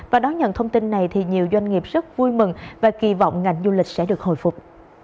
và đón nhận thông tin này thì nhiều doanh nghiệp rất vui mừng và kỳ vọng ngành du lịch sẽ được hồi phục